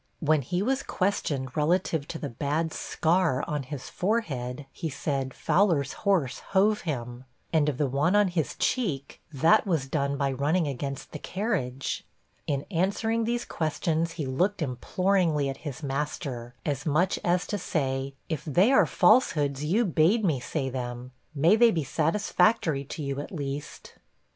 When he was questioned relative to the bad scar on his forehead, he said, 'Fowler's horse hove him.' And of the one on his cheek, 'That was done by running against the carriage.' In answering these questions, he looked imploringly at his master, as much as to say, 'If they are falsehoods, you bade me say them; may they be satisfactory to you, at least.'